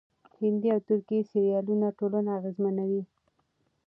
هندي او ترکي سريالونه ټولنه اغېزمنوي.